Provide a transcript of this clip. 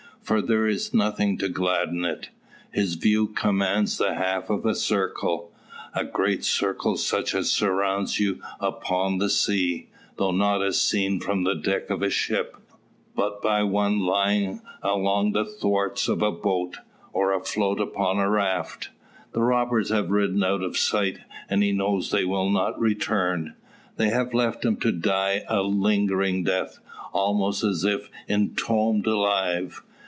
For there is nothing to gladden it. His view commands the half of a circle a great circle such as surrounds you upon the sea; though not as seen from the deck of a ship, but by one lying along the thwarts of a boat, or afloat upon a raft. The robbers have ridden out of sight, and he knows they will not return. They have left him to die a lingering death, almost as if entombed alive.